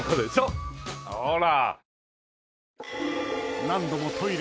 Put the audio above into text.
ほら。